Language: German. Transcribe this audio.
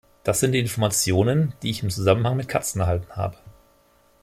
Das sind die Informationen, die ich im Zusammenhang mit Katzen erhalten habe.